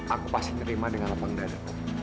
aku pasti terima dengan lapang dada